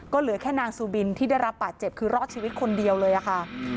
ก็เหลือแค่นางซูบินที่ได้รับบาดเจ็บคือรอดชีวิตคนเดียวเลยค่ะ